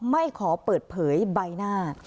ไม่ขอเปิดเผยใบหน้า